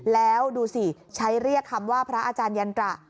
แล้วดูสิใช้เรียกคำว่าพระอาจารยันตระ